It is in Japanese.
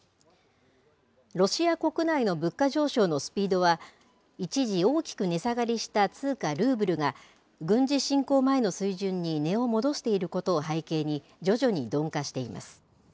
ロシア国内の物価上昇のスピードは、一時大きく値下がりした通貨ルーブルが、軍事侵攻前の水準に値を戻していることを背景に、徐々に鈍化しています。